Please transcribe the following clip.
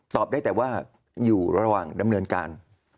ได้แต่ว่าอยู่ระหว่างดำเนินการ